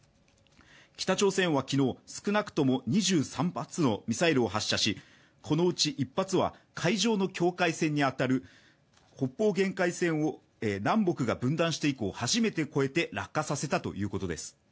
北朝鮮は昨日、少なくとも２３発のミサイルを発射し、このうち１発は海上の境界線に当たる北方限界線を南北が分断して以降、初めて越えて落下させたということです。